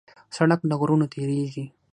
سړک له غرونو تېرېږي.